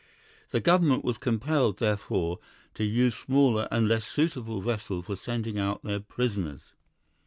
The government was compelled, therefore, to use smaller and less suitable vessels for sending out their prisoners.